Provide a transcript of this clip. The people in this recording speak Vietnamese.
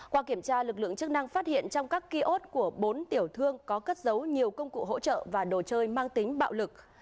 qua kiểm tra lực lượng chức năng phát hiện trong các kiosk của bốn tiểu thương có cất dấu nhiều công cụ hỗ trợ và đồ chơi mang tính bạo lực